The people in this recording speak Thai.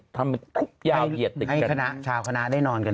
ให้ชาวคณะได้นอนกัน